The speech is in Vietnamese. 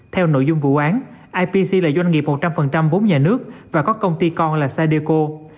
theo nội dung vụ án ipc là doanh nghiệp một trăm linh vốn nhà nước và có công ty con là sadeco